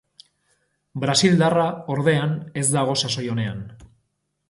Brasildarra, ordea, ez dago sasoi onean.